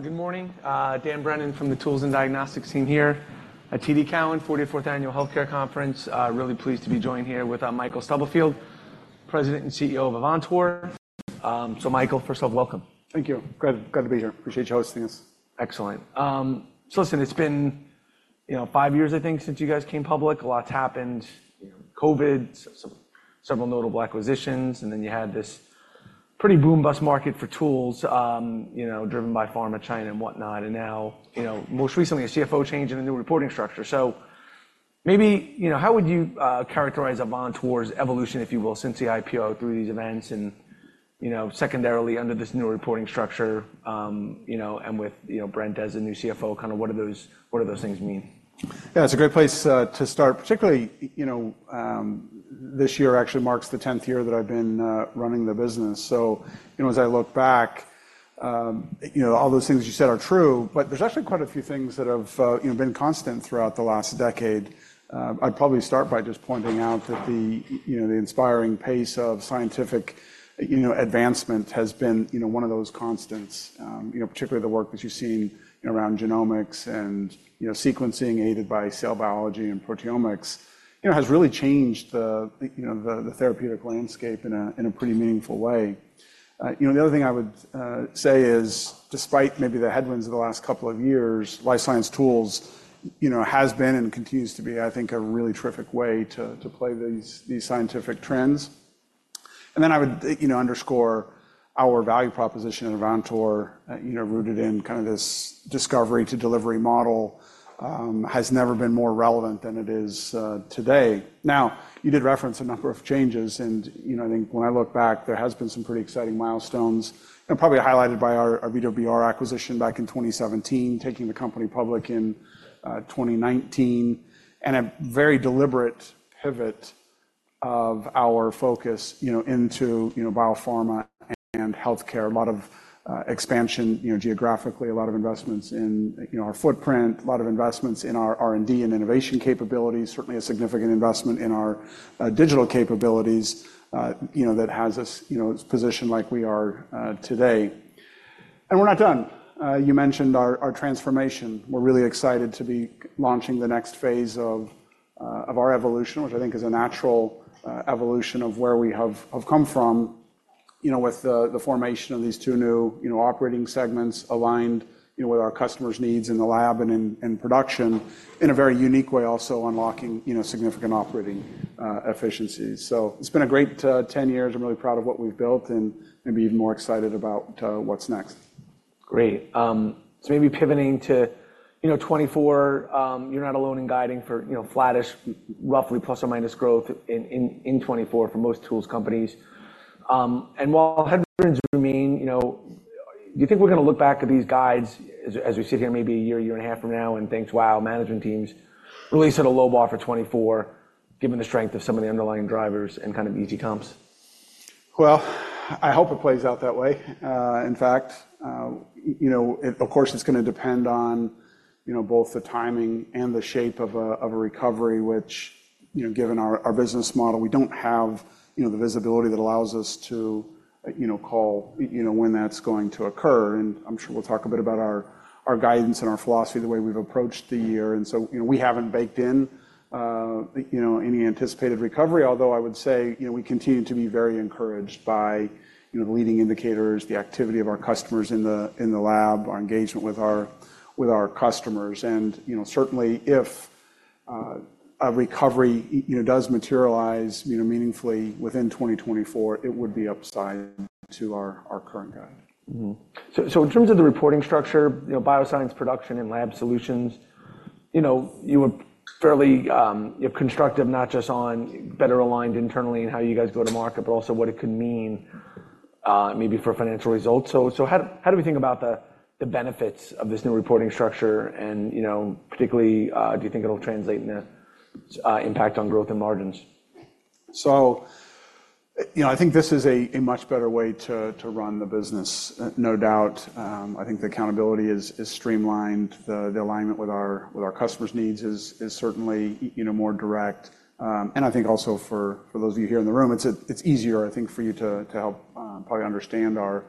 Good morning. Dan Brennan from the Life Science Tools and Diagnostics team here, TD Cowen, 44th Annual Healthcare Conference. Really pleased to be joined here with Michael Stubblefield, President and CEO of Avantor. So, Michael, first off, welcome. Thank you. Glad to be here. Appreciate you hosting us. Excellent. So listen, it's been five years, I think, since you guys came public. A lot's happened. COVID, several notable acquisitions, and then you had this pretty boom-bust market for tools driven by pharma, China, and whatnot. And now, most recently, a CFO change and a new reporting structure. So maybe how would you characterize Avantor's evolution, if you will, since the IPO through these events and secondarily under this new reporting structure and with Brent Jones as the new CFO? Kind of what do those things mean? Yeah, it's a great place to start. Particularly this year actually marks the 10th year that I've been running the business. So as I look back, all those things you said are true, but there's actually quite a few things that have been constant throughout the last decade. I'd probably start by just pointing out that the inspiring pace of scientific advancement has been one of those constants. Particularly the work that you've seen around genomics and sequencing aided by cell biology and proteomics has really changed the therapeutic landscape in a pretty meaningful way. The other thing I would say is, despite maybe the headwinds of the last couple of years, Life Science Tools has been and continues to be, I think, a really terrific way to play these scientific trends. And then I would underscore our value proposition at Avantor, rooted in kind of this discovery-to-delivery model, has never been more relevant than it is today. Now, you did reference a number of changes, and I think when I look back, there has been some pretty exciting milestones, probably highlighted by our VWR acquisition back in 2017, taking the company public in 2019, and a very deliberate pivot of our focus into biopharma and healthcare. A lot of expansion geographically, a lot of investments in our footprint, a lot of investments in our R&D and innovation capabilities, certainly a significant investment in our digital capabilities that has us positioned like we are today. And we're not done. You mentioned our transformation. We're really excited to be launching the next phase of our evolution, which I think is a natural evolution of where we have come from with the formation of these two new operating segments aligned with our customers' needs in the lab and in production, in a very unique way also unlocking significant operating efficiencies. It's been a great 10 years. I'm really proud of what we've built and maybe even more excited about what's next. Great. So maybe pivoting to 2024, you're not alone in guiding for flattish, roughly plus or minus growth in 2024 for most tools companies. And while headwinds remain, do you think we're going to look back at these guides as we sit here maybe a year, year and a half from now and think, "Wow, management teams really set a low bar for 2024 given the strength of some of the underlying drivers and kind of easy comps"? Well, I hope it plays out that way. In fact, of course, it's going to depend on both the timing and the shape of a recovery, which given our business model, we don't have the visibility that allows us to call when that's going to occur. I'm sure we'll talk a bit about our guidance and our philosophy, the way we've approached the year. We haven't baked in any anticipated recovery, although I would say we continue to be very encouraged by the leading indicators, the activity of our customers in the lab, our engagement with our customers. Certainly, if a recovery does materialize meaningfully within 2024, it would be upside to our current guide. So in terms of the reporting structure, bioprocessing and Education and Lab Solutions, you were fairly constructive not just on better aligned internally in how you guys go to market, but also what it could mean, maybe, for financial results. So how do we think about the benefits of this new reporting structure? And particularly, do you think it'll translate in an impact on growth and margins? So I think this is a much better way to run the business, no doubt. I think the accountability is streamlined. The alignment with our customers' needs is certainly more direct. And I think also for those of you here in the room, it's easier, I think, for you to help probably understand our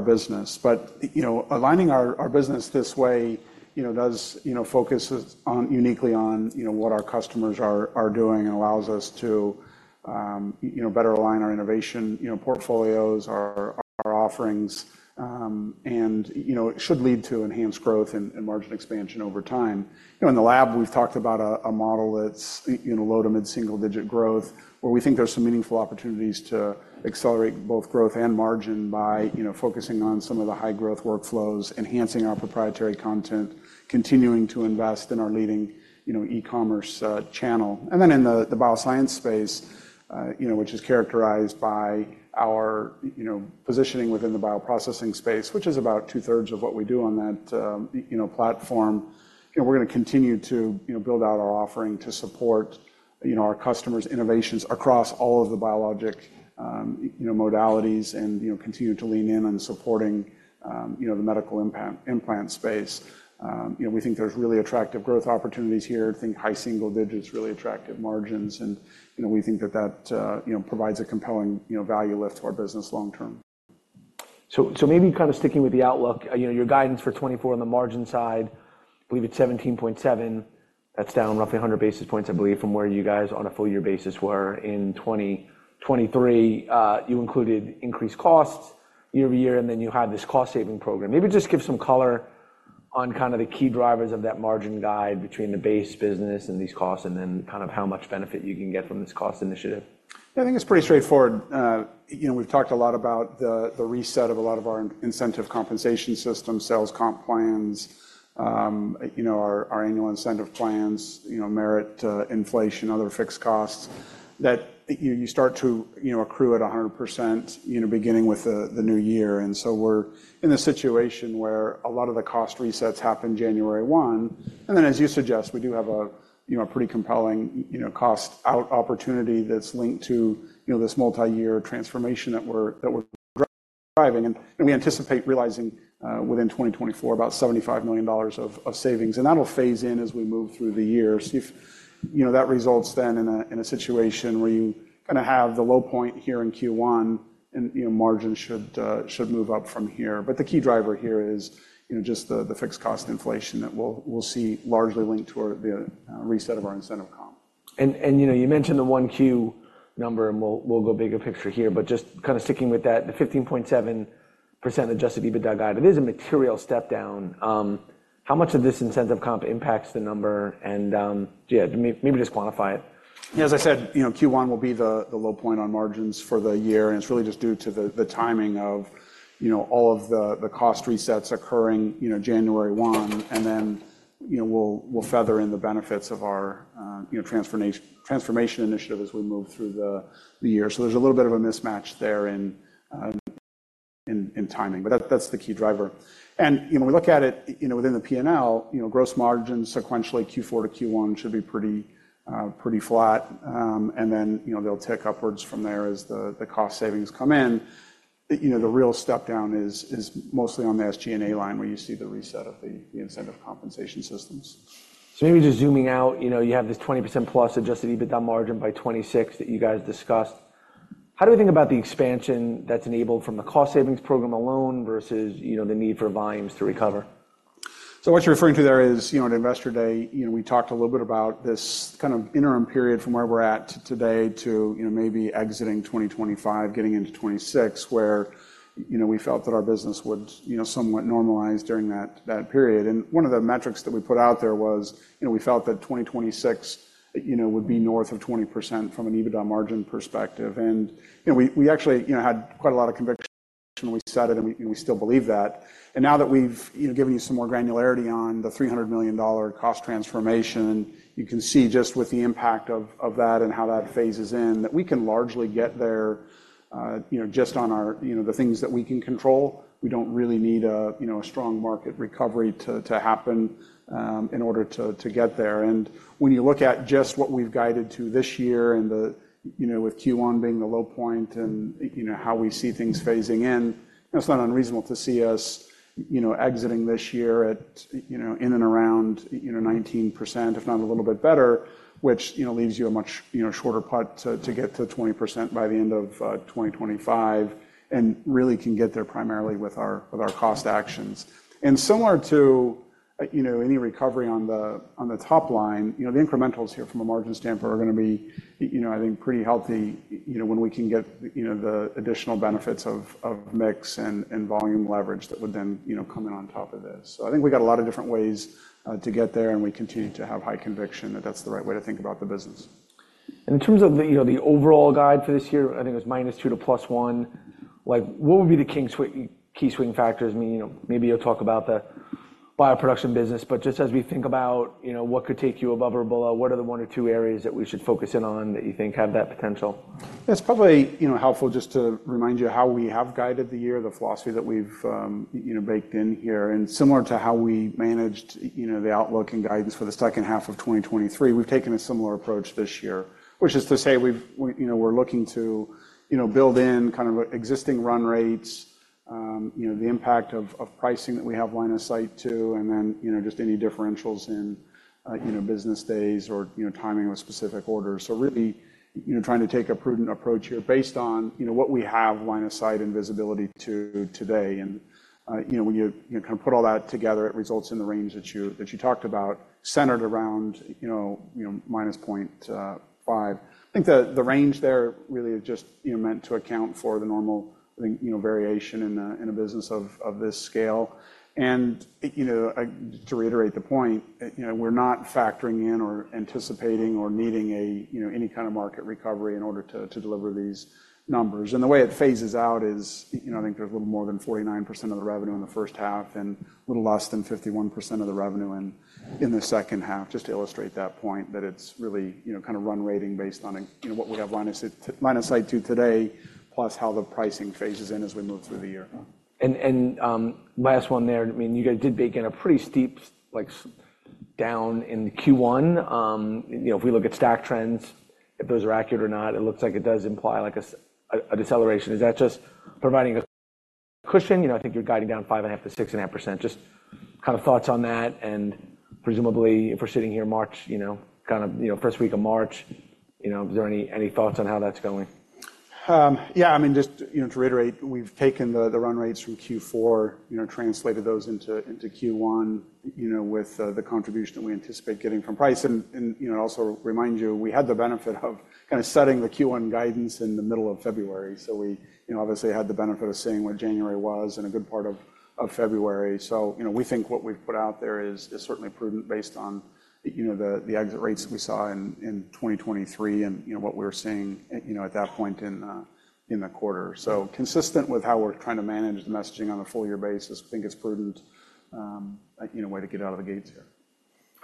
business. But aligning our business this way does focus uniquely on what our customers are doing and allows us to better align our innovation portfolios, our offerings, and it should lead to enhanced growth and margin expansion over time. In the lab, we've talked about a model that's low to mid-single-digit growth, where we think there's some meaningful opportunities to accelerate both growth and margin by focusing on some of the high-growth workflows, enhancing our proprietary content, continuing to invest in our leading e-commerce channel. And then in the bioscience space, which is characterized by our positioning within the bioprocessing space, which is about two-thirds of what we do on that platform, we're going to continue to build out our offering to support our customers' innovations across all of the biologic modalities and continue to lean in on supporting the medical implant space. We think there's really attractive growth opportunities here. I think high single-digits, really attractive margins. And we think that that provides a compelling value lift to our business long term. So maybe kind of sticking with the outlook, your guidance for 2024 on the margin side, I believe it's 17.7%. That's down roughly 100 basis points, I believe, from where you guys on a full-year basis were in 2023. You included increased costs year-over-year, and then you had this cost-saving program. Maybe just give some color on kind of the key drivers of that margin guide between the base business and these costs and then kind of how much benefit you can get from this cost initiative. Yeah, I think it's pretty straightforward. We've talked a lot about the reset of a lot of our incentive compensation system, sales comp plans, our annual incentive plans, merit, inflation, other fixed costs, that you start to accrue at 100% beginning with the new year. And so we're in a situation where a lot of the cost resets happen January 1. And then, as you suggest, we do have a pretty compelling cost-out opportunity that's linked to this multi-year transformation that we're driving. And we anticipate realizing within 2024 about $75 million of savings. And that'll phase in as we move through the year. See if that results then in a situation where you kind of have the low point here in Q1, and margins should move up from here. The key driver here is just the fixed cost inflation that we'll see largely linked to the reset of our incentive comp. You mentioned the 1Q number, and we'll go bigger picture here. But just kind of sticking with that, the 15.7% adjusted EBITDA guide, it is a material step down. How much of this incentive comp impacts the number? And yeah, maybe just quantify it? Yeah, as I said, Q1 will be the low point on margins for the year. And it's really just due to the timing of all of the cost resets occurring January 1. And then we'll feather in the benefits of our transformation initiative as we move through the year. So there's a little bit of a mismatch there in timing. But that's the key driver. And when we look at it within the P&L, gross margins sequentially Q4 to Q1 should be pretty flat. And then they'll tick upwards from there as the cost savings come in. The real step down is mostly on the SG&A line where you see the reset of the incentive compensation systems. So maybe just zooming out, you have this 20%+ adjusted EBITDA margin by 2026 that you guys discussed. How do we think about the expansion that's enabled from the cost savings program alone versus the need for volumes to recover? So what you're referring to there is at Investor Day, we talked a little bit about this kind of interim period from where we're at today to maybe exiting 2025, getting into 2026, where we felt that our business would somewhat normalize during that period. And one of the metrics that we put out there was we felt that 2026 would be north of 20% from an EBITDA margin perspective. And we actually had quite a lot of conviction when we set it, and we still believe that. And now that we've given you some more granularity on the $300 million cost transformation, you can see just with the impact of that and how that phases in that we can largely get there just on the things that we can control. We don't really need a strong market recovery to happen in order to get there. When you look at just what we've guided to this year and with Q1 being the low point and how we see things phasing in, it's not unreasonable to see us exiting this year in and around 19%, if not a little bit better, which leaves you a much shorter put to get to 20% by the end of 2025 and really can get there primarily with our cost actions. Similar to any recovery on the top line, the incrementals here from a margin standpoint are going to be, I think, pretty healthy when we can get the additional benefits of mix and volume leverage that would then come in on top of this. I think we got a lot of different ways to get there, and we continue to have high conviction that that's the right way to think about the business. In terms of the overall guide for this year, I think it was -2% to +1%. What would be the key swing factors? I mean, maybe you'll talk about the bioprocessing business, but just as we think about what could take you above or below, what are the one or two areas that we should focus in on that you think have that potential? It's probably helpful just to remind you how we have guided the year, the philosophy that we've baked in here. Similar to how we managed the outlook and guidance for the second half of 2023, we've taken a similar approach this year, which is to say we're looking to build in kind of existing run rates, the impact of pricing that we have line of sight to, and then just any differentials in business days or timing of specific orders. Really trying to take a prudent approach here based on what we have line of sight and visibility to today. When you kind of put all that together, it results in the range that you talked about centered around -0.5%. I think the range there really is just meant to account for the normal, I think, variation in a business of this scale. To reiterate the point, we're not factoring in or anticipating or needing any kind of market recovery in order to deliver these numbers. The way it phases out is I think there's a little more than 49% of the revenue in the first half and a little less than 51% of the revenue in the second half, just to illustrate that point, that it's really kind of run rating based on what we have line of sight to today, plus how the pricing phases in as we move through the year. Last one there. I mean, you guys did bake in a pretty steep down in Q1. If we look at stack trends, if those are accurate or not, it looks like it does imply a deceleration. Is that just providing a cushion? I think you're guiding down 5.5%-6.5%. Just kind of thoughts on that. And presumably, if we're sitting here, kind of first week of March, is there any thoughts on how that's going? Yeah, I mean, just to reiterate, we've taken the run rates from Q4, translated those into Q1 with the contribution that we anticipate getting from price. And also remind you, we had the benefit of kind of setting the Q1 guidance in the middle of February. So we obviously had the benefit of seeing what January was and a good part of February. So we think what we've put out there is certainly prudent based on the exit rates that we saw in 2023 and what we were seeing at that point in the quarter. So consistent with how we're trying to manage the messaging on a full-year basis, I think it's a prudent way to get out of the gates here.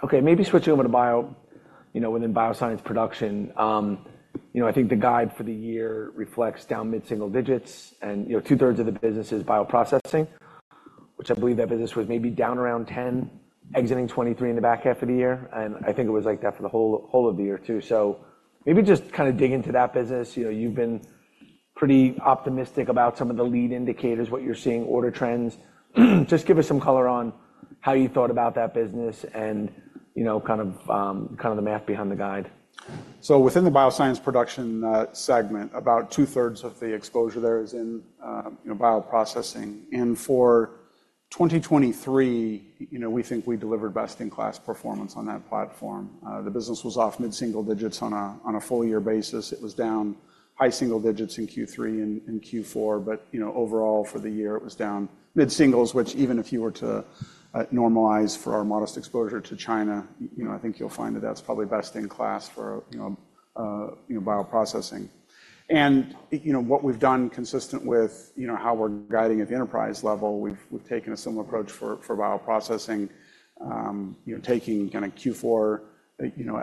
Okay, maybe switching over to within Bioscience Production. I think the guide for the year reflects down mid-single-digits, and two-thirds of the business is bioprocessing, which I believe that business was maybe down around 10, exiting 2023 in the back half of the year. I think it was like that for the whole of the year too. So maybe just kind of dig into that business. You've been pretty optimistic about some of the lead indicators, what you're seeing, order trends. Just give us some color on how you thought about that business and kind of the math behind the guide. So within the Bioscience Production segment, about two-thirds of the exposure there is in bioprocessing. For 2023, we think we delivered best-in-class performance on that platform. The business was off mid-single-digits on a full-year basis. It was down high single-digits in Q3 and Q4. Overall, for the year, it was down mid-single-digits, which even if you were to normalize for our modest exposure to China, I think you'll find that that's probably best-in-class for bioprocessing. What we've done consistent with how we're guiding at the enterprise level, we've taken a similar approach for bioprocessing, taking kind of Q4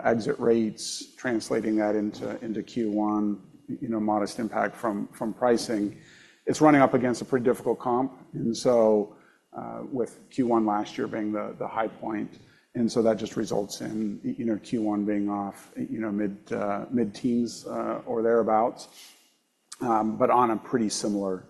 exit rates, translating that into Q1, modest impact from pricing. It's running up against a pretty difficult comp. And so with Q1 last year being the high point, and so that just results in Q1 being off mid-teens or thereabouts, but on a pretty similar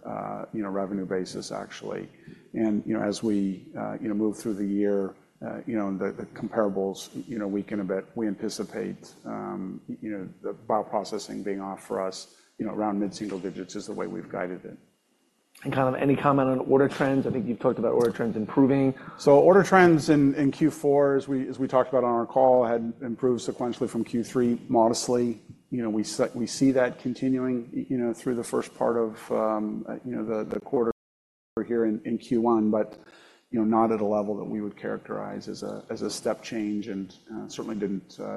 revenue basis, actually. And as we move through the year and the comparables weaken a bit, we anticipate the bioprocessing being off for us around mid-single-digits is the way we've guided it. Kind of any comment on order trends? I think you've talked about order trends improving. So order trends in Q4, as we talked about on our call, had improved sequentially from Q3 modestly. We see that continuing through the first part of the quarter here in Q1, but not at a level that we would characterize as a step change and certainly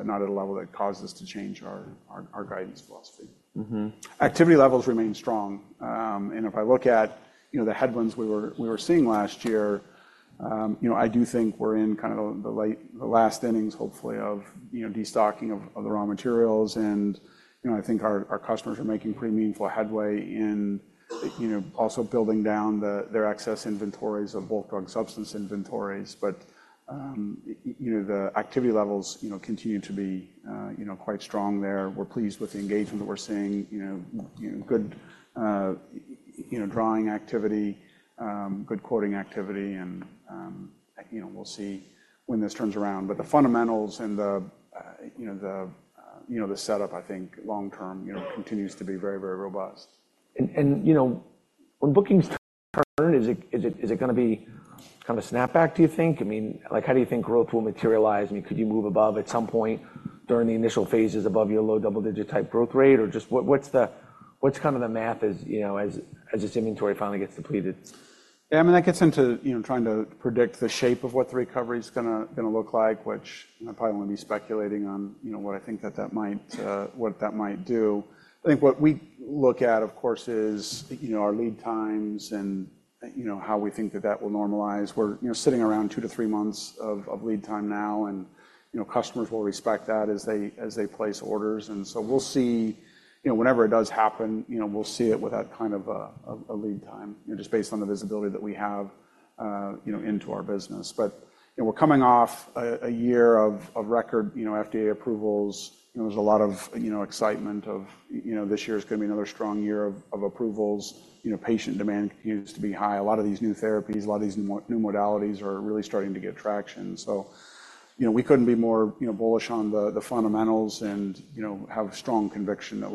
not at a level that caused us to change our guidance philosophy. Activity levels remain strong. And if I look at the headwinds we were seeing last year, I do think we're in kind of the last innings, hopefully, of destocking of the raw materials. And I think our customers are making pretty meaningful headway in also building down their excess inventories of bulk drug substance inventories. But the activity levels continue to be quite strong there. We're pleased with the engagement that we're seeing, good drawing activity, good quoting activity. And we'll see when this turns around. The fundamentals and the setup, I think, long-term continues to be very, very robust. And when bookings turn, is it going to be kind of a snapback, do you think? I mean, how do you think growth will materialize? I mean, could you move above at some point during the initial phases above your low double-digit type growth rate? Or just what's kind of the math as this inventory finally gets depleted? Yeah, I mean, that gets into trying to predict the shape of what the recovery is going to look like, which I'm probably only speculating on what I think that that might do. I think what we look at, of course, is our lead times and how we think that that will normalize. We're sitting around two to three months of lead time now. Customers will respect that as they place orders. We'll see whenever it does happen. We'll see it with that kind of a lead time just based on the visibility that we have into our business. But we're coming off a year of record FDA approvals. There's a lot of excitement that this year is going to be another strong year of approvals. Patient demand continues to be high. A lot of these new therapies, a lot of these new modalities are really starting to get traction. So we couldn't be more bullish on the fundamentals and have strong conviction that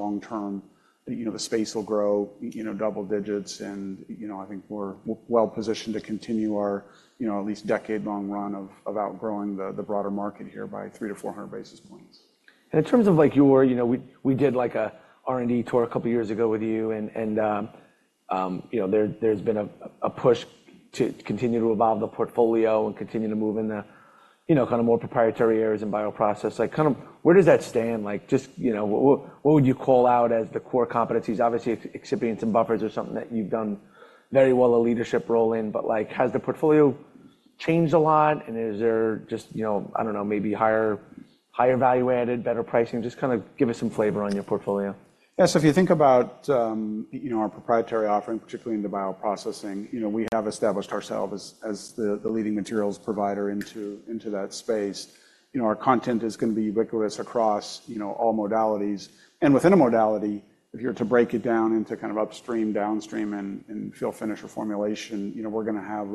long-term, the space will grow double-digits. And I think we're well positioned to continue our at least decade-long run of outgrowing the broader market here by 300-400 basis points. In terms of your we did an R&D tour a couple of years ago with you. There's been a push to continue to evolve the portfolio and continue to move in the kind of more proprietary areas in bioprocess. Kind of where does that stand? Just what would you call out as the core competencies? Obviously, excipients and buffers are something that you've done very well a leadership role in. But has the portfolio changed a lot? Is there just, I don't know, maybe higher value added, better pricing? Just kind of give us some flavor on your portfolio. Yeah, so if you think about our proprietary offering, particularly in the bioprocessing, we have established ourselves as the leading materials provider into that space. Our content is going to be ubiquitous across all modalities. And within a modality, if you were to break it down into kind of upstream, downstream, and fill-finish, or formulation, we're going to have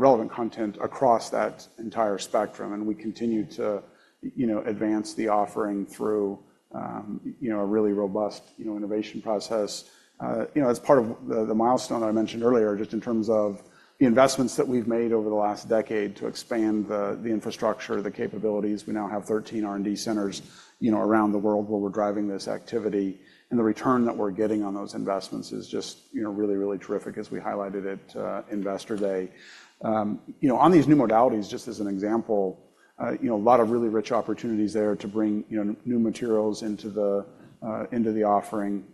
relevant content across that entire spectrum. And we continue to advance the offering through a really robust innovation process. As part of the milestone that I mentioned earlier, just in terms of the investments that we've made over the last decade to expand the infrastructure, the capabilities, we now have 13 R&D centers around the world where we're driving this activity. And the return that we're getting on those investments is just really, really terrific, as we highlighted it Investor Day. On these new modalities, just as an example, a lot of really rich opportunities there to bring new materials into the offering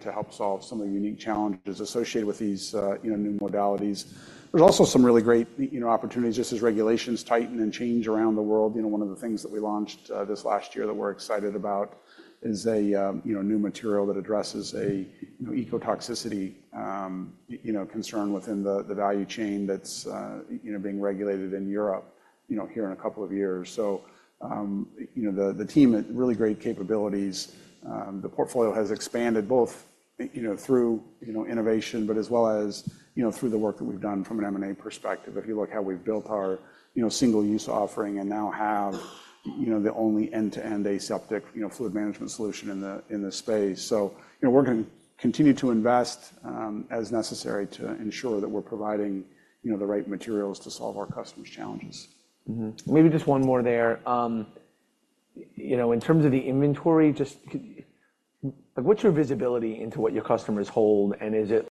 to help solve some of the unique challenges associated with these new modalities. There's also some really great opportunities just as regulations tighten and change around the world. One of the things that we launched this last year that we're excited about is a new material that addresses an ecotoxicity concern within the value chain that's being regulated in Europe here in a couple of years. So the team had really great capabilities. The portfolio has expanded both through innovation, but as well as through the work that we've done from an M&A perspective. If you look at how we've built our single-use offering and now have the only end-to-end aseptic fluid management solution in the space. We're going to continue to invest as necessary to ensure that we're providing the right materials to solve our customers' challenges. Maybe just one more there. In terms of the inventory, what's your visibility into what your customers hold? And is it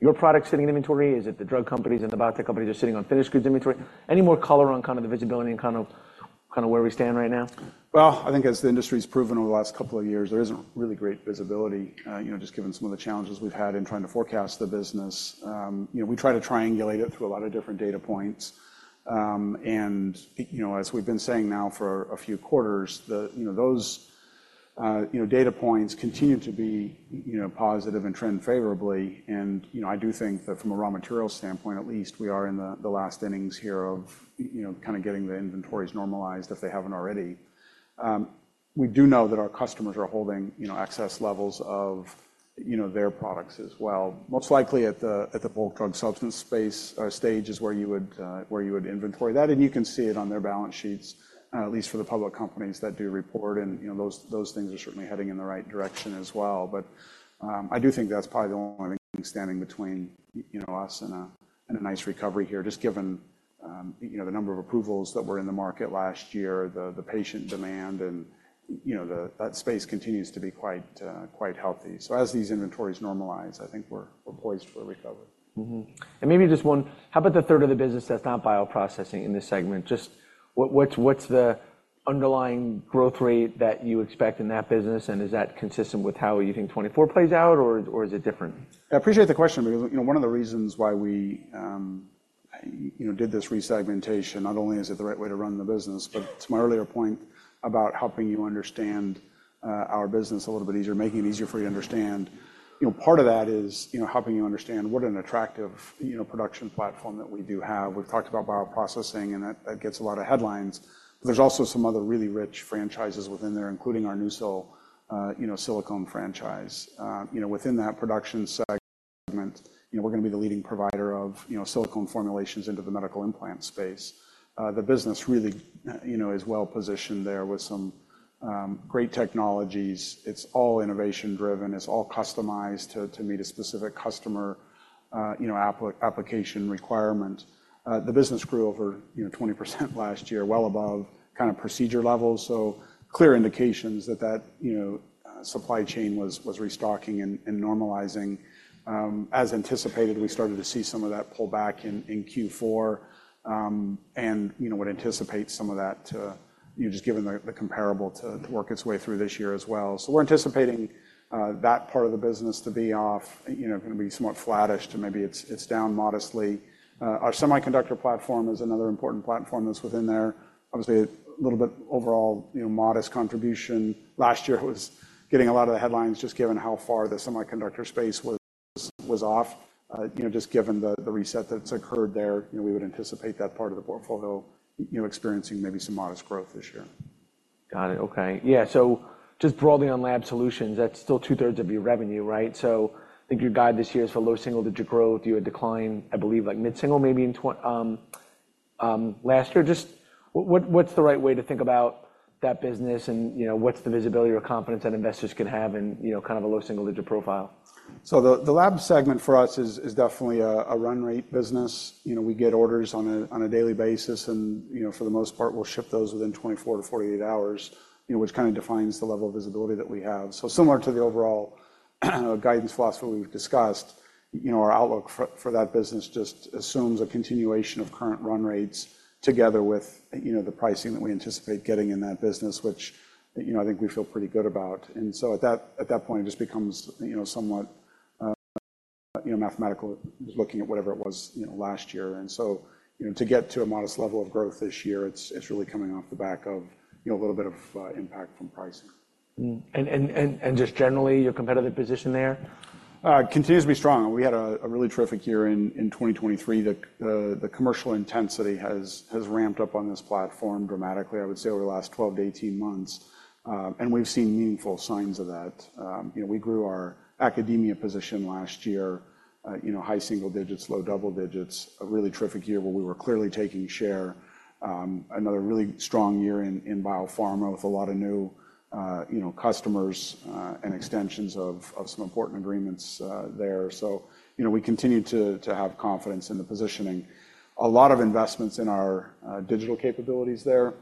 your product sitting in inventory? Is it the drug companies and the biotech companies are sitting on finished goods inventory? Any more color on kind of the visibility and kind of where we stand right now? Well, I think as the industry's proven over the last couple of years, there isn't really great visibility, just given some of the challenges we've had in trying to forecast the business. We try to triangulate it through a lot of different data points. As we've been saying now for a few quarters, those data points continue to be positive and trend favorably. I do think that from a raw materials standpoint, at least, we are in the last innings here of kind of getting the inventories normalized, if they haven't already. We do know that our customers are holding excess levels of their products as well. Most likely at the bulk drug substance stage is where you would inventory that. You can see it on their balance sheets, at least for the public companies that do report. Those things are certainly heading in the right direction as well. But I do think that's probably the only thing standing between us and a nice recovery here, just given the number of approvals that were in the market last year, the patient demand, and that space continues to be quite healthy. So as these inventories normalize, I think we're poised for recovery. Maybe just one, how about the third of the business that's not bioprocessing in this segment? Just what's the underlying growth rate that you expect in that business? Is that consistent with how you think 2024 plays out, or is it different? I appreciate the question because one of the reasons why we did this resegmentation, not only is it the right way to run the business, but to my earlier point about helping you understand our business a little bit easier, making it easier for you to understand, part of that is helping you understand what an attractive production platform that we do have. We've talked about bioprocessing, and that gets a lot of headlines. But there's also some other really rich franchises within there, including our NuSil silicone franchise. Within that Bioscience Production segment, we're going to be the leading provider of silicone formulations into the medical implant space. The business really is well positioned there with some great technologies. It's all innovation-driven. It's all customized to meet a specific customer application requirement. The business grew over 20% last year, well above kind of procedure levels. So, clear indications that that supply chain was restocking and normalizing. As anticipated, we started to see some of that pull back in Q4. And we'd anticipate some of that, just given the comparable, to work its way through this year as well. So we're anticipating that part of the business to be off. It's going to be somewhat flattish, too. Maybe it's down modestly. Our semiconductor platform is another important platform that's within there. Obviously, a little bit overall modest contribution. Last year, it was getting a lot of the headlines just given how far the semiconductor space was off. Just given the reset that's occurred there, we would anticipate that part of the portfolio experiencing maybe some modest growth this year. Got it. Okay. Yeah. So just broadly on Education and Lab Solutions, that's still two-thirds of your revenue, right? So I think your guide this year is for low single-digit growth. You had decline, I believe, mid-single, maybe, in last year. Just what's the right way to think about that business? And what's the visibility or confidence that investors can have in kind of a low single-digit profile? So the Education and Lab Solutions segment for us is definitely a run-rate business. We get orders on a daily basis. And for the most part, we'll ship those within 24-48 hours, which kind of defines the level of visibility that we have. So similar to the overall guidance philosophy we've discussed, our outlook for that business just assumes a continuation of current run rates together with the pricing that we anticipate getting in that business, which I think we feel pretty good about. And so at that point, it just becomes somewhat mathematical, just looking at whatever it was last year. And so to get to a modest level of growth this year, it's really coming off the back of a little bit of impact from pricing. Just generally, your competitive position there? Continues to be strong. We had a really terrific year in 2023. The commercial intensity has ramped up on this platform dramatically, I would say, over the last 12-18 months. We've seen meaningful signs of that. We grew our academia position last year, high single-digits, low double-digits, a really terrific year where we were clearly taking share, another really strong year in biopharma with a lot of new customers and extensions of some important agreements there. We continue to have confidence in the positioning. A lot of investments in our digital capabilities there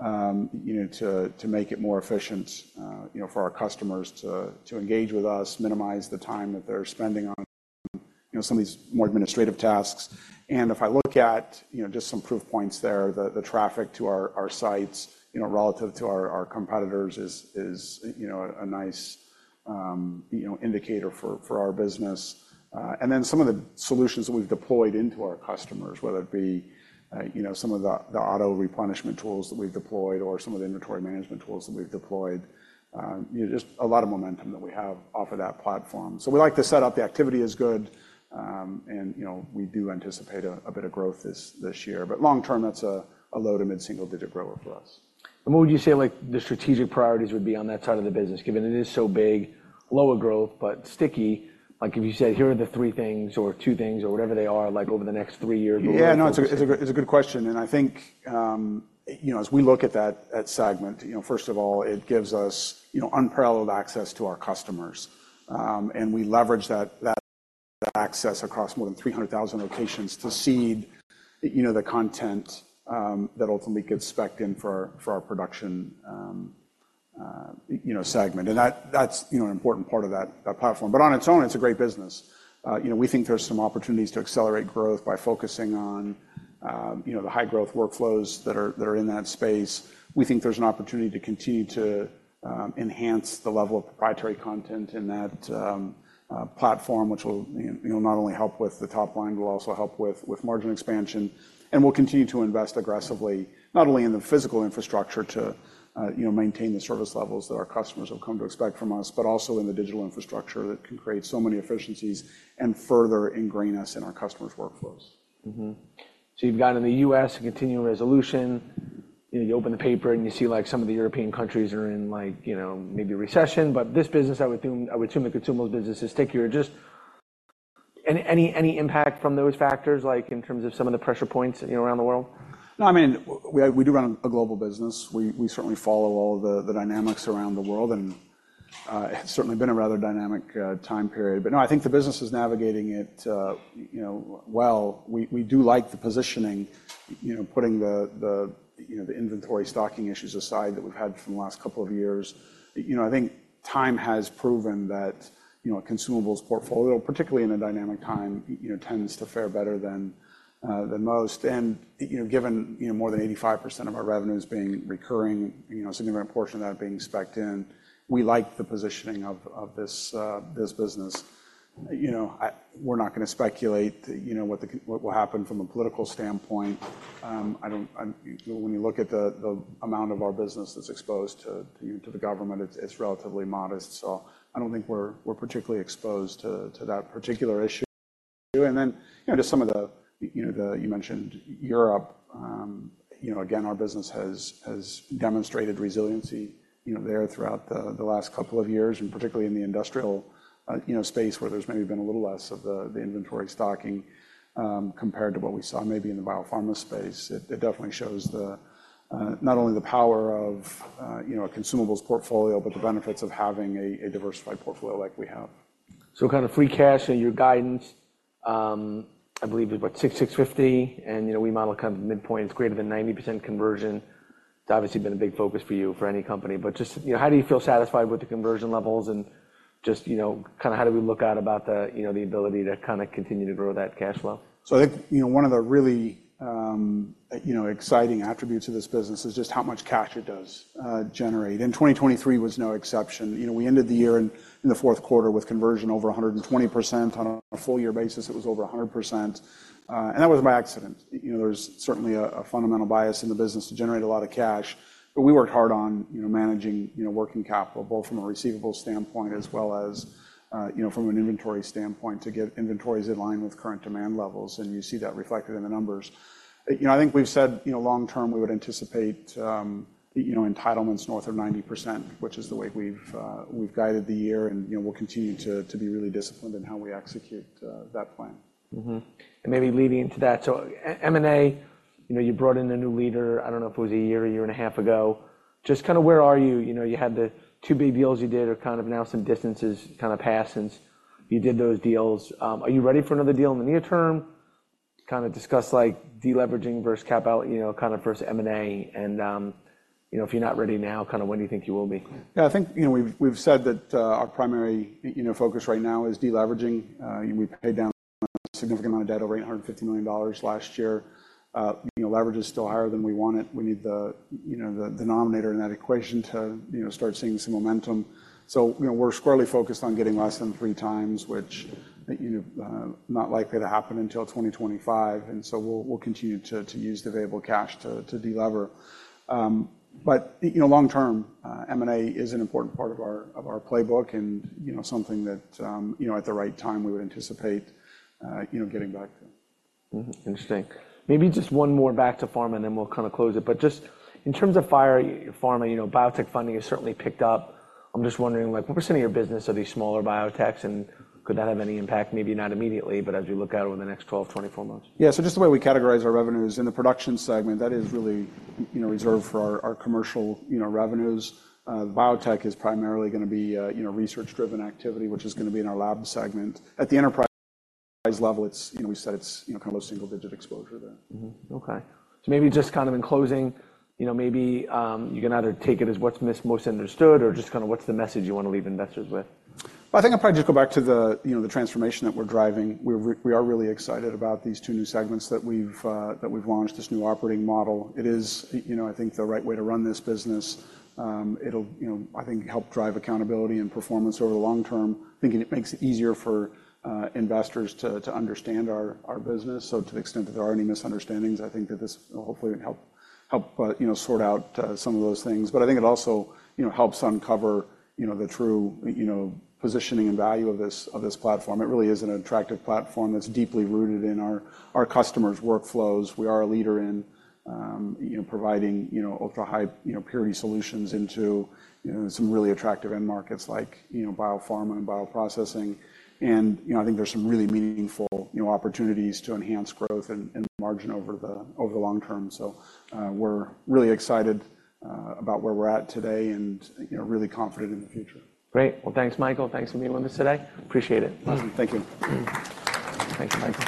to make it more efficient for our customers to engage with us, minimize the time that they're spending on some of these more administrative tasks. If I look at just some proof points there, the traffic to our sites relative to our competitors is a nice indicator for our business. And then some of the solutions that we've deployed into our customers, whether it be some of the auto replenishment tools that we've deployed or some of the inventory management tools that we've deployed, just a lot of momentum that we have off of that platform. So we like to set up. The activity is good. We do anticipate a bit of growth this year. But long-term, that's a low to mid-single-digit grower for us. What would you say the strategic priorities would be on that side of the business, given it is so big, lower growth, but sticky? If you said, "Here are the three things or two things," or whatever they are over the next three years or whatever. Yeah, no, it's a good question. I think as we look at that segment, first of all, it gives us unparalleled access to our customers. We leverage that access across more than 300,000 locations to seed the content that ultimately gets spec'd in for our Bioscience Production segment. That's an important part of that platform. On its own, it's a great business. We think there's some opportunities to accelerate growth by focusing on the high-growth workflows that are in that space. We think there's an opportunity to continue to enhance the level of proprietary content in that platform, which will not only help with the top line, but will also help with margin expansion. We'll continue to invest aggressively, not only in the physical infrastructure to maintain the service levels that our customers have come to expect from us, but also in the digital infrastructure that can create so many efficiencies and further ingrain us in our customers' workflows. You've got in the U.S. a continuing resolution. You open the paper, and you see some of the European countries are in maybe recession. But this business, I would assume the consumer's business is stickier. Just any impact from those factors in terms of some of the pressure points around the world? No, I mean, we do run a global business. We certainly follow all of the dynamics around the world. It's certainly been a rather dynamic time period. No, I think the business is navigating it well. We do like the positioning, putting the inventory stocking issues aside that we've had from the last couple of years. I think time has proven that a consumables portfolio, particularly in a dynamic time, tends to fare better than most. Given more than 85% of our revenues being recurring, a significant portion of that being spec'd in, we like the positioning of this business. We're not going to speculate what will happen from a political standpoint. When you look at the amount of our business that's exposed to the government, it's relatively modest. I don't think we're particularly exposed to that particular issue. Then just some of the you mentioned, Europe. Again, our business has demonstrated resiliency there throughout the last couple of years, and particularly in the industrial space where there's maybe been a little less of the inventory stocking compared to what we saw maybe in the biopharma space. It definitely shows not only the power of a consumables portfolio, but the benefits of having a diversified portfolio like we have. Kind of free cash and your guidance, I believe, is about $600 million, $650 million. We model kind of midpoint. It's greater than 90% conversion. It's obviously been a big focus for you, for any company. Just how do you feel satisfied with the conversion levels? Just kind of how do we look at about the ability to kind of continue to grow that cash flow? I think one of the really exciting attributes of this business is just how much cash it does generate. 2023 was no exception. We ended the year in the fourth quarter with conversion over 120%. On a full-year basis, it was over 100%. That was by accident. There's certainly a fundamental bias in the business to generate a lot of cash. But we worked hard on managing working capital, both from a receivables standpoint as well as from an inventory standpoint, to get inventories in line with current demand levels. You see that reflected in the numbers. I think we've said long-term, we would anticipate entitlements north of 90%, which is the way we've guided the year. We'll continue to be really disciplined in how we execute that plan. And maybe leading into that, so M&A, you brought in a new leader. I don't know if it was a year or a year and a half ago. Just kind of where are you? You had the two big deals you did are kind of now some distances kind of past since you did those deals. Are you ready for another deal in the near term? Kind of discuss de-leveraging versus kind of versus M&A. And if you're not ready now, kind of when do you think you will be? Yeah, I think we've said that our primary focus right now is de-leveraging. We paid down a significant amount of debt, over $850 million last year. Leverage is still higher than we want it. We need the denominator in that equation to start seeing some momentum. So we're squarely focused on getting less than three times, which is not likely to happen until 2025. And so we'll continue to use the available cash to de-lever. But long-term, M&A is an important part of our playbook and something that, at the right time, we would anticipate getting back to. Interesting. Maybe just one more back to pharma, and then we'll kind of close it. But just in terms of pharma, biotech funding has certainly picked up. I'm just wondering, what percent of your business are these smaller biotechs? And could that have any impact? Maybe not immediately, but as you look out over the next 12-24 months. Yeah. So just the way we categorize our revenues in the Bioscience Production segment, that is really reserved for our commercial revenues. Biotech is primarily going to be research-driven activity, which is going to be in our Education and Lab Solutions segment. At the enterprise level, we said it's kind of low single-digit exposure there. Okay. So maybe just kind of in closing, maybe you can either take it as what's most understood or just kind of what's the message you want to leave investors with? Well, I think I'll probably just go back to the transformation that we're driving. We are really excited about these two new segments that we've launched, this new operating model. It is, I think, the right way to run this business. It'll, I think, help drive accountability and performance over the long term, thinking it makes it easier for investors to understand our business. So to the extent that there are any misunderstandings, I think that this will hopefully help sort out some of those things. But I think it also helps uncover the true positioning and value of this platform. It really is an attractive platform that's deeply rooted in our customers' workflows. We are a leader in providing ultra-high purity solutions into some really attractive end markets like biopharma and bioprocessing. And I think there's some really meaningful opportunities to enhance growth and margin over the long term. So we're really excited about where we're at today and really confident in the future. Great. Well, thanks, Michael. Thanks for being with us today. Appreciate it. Awesome. Thank you. Thanks, Michael.